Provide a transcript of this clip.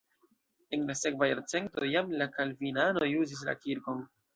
En la sekva jarcento jam la kalvinanoj uzis la kirkon.